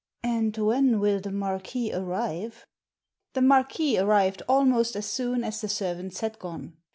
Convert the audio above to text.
"And when will the Marquis arrive ?" The Marquis arrived almost as soon as the servants had gone.